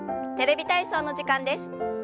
「テレビ体操」の時間です。